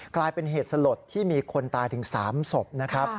กลายเป็นเหตุสลดที่มีคนตายถึง๓ศพนะครับ